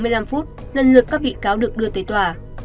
sáu giờ bốn mươi năm phút lần lượt các bị cáo được đưa tới tòa